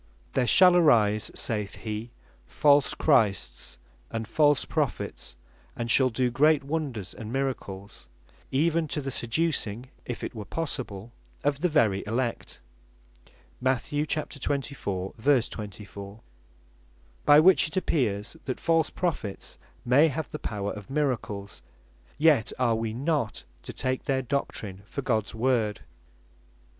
"There shall arise," (saith he) "false Christs, and false Prophets, and shall doe great wonders and miracles, even to the seducing (if it were possible) of the very Elect." (Mat. 24. 24) By which it appears, that false Prophets may have the power of miracles; yet are wee not to take their doctrin for Gods Word.